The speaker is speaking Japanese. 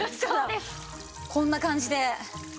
こんな感じで。